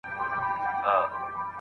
که موږ له کړکۍ څخه ډبره